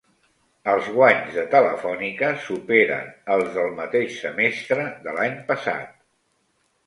Els guanys de Telefònica superen als del mateix semestre de l'any passat